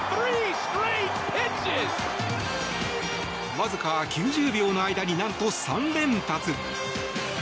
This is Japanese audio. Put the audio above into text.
わずか９０秒の間に何と３連発！